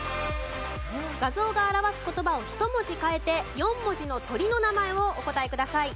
画像が表す言葉を１文字替えて４文字の鳥の名前をお答えください。